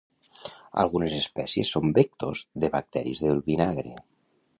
Algunes espècies són vectors de bacteris del vinagre.